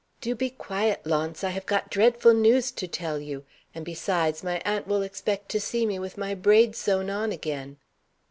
"Do be quiet, Launce! I have got dreadful news to tell you. And, besides, my aunt will expect to see me with my braid sewn on again."